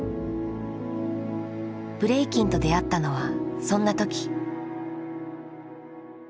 ブレイキンと出会ったのはそんな時。